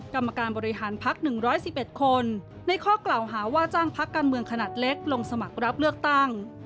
กรรมการบริหารพัก๑๑๑คนในข้อกล่าวหาว่าจ้างพักการเมืองขนาดเล็กลงสมัครรับเลือกตั้ง